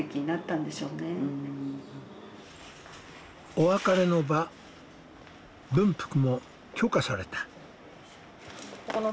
お別れの場文福も許可された。